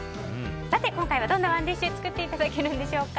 今回はどんなＯｎｅＤｉｓｈ作っていただけるんでしょうか。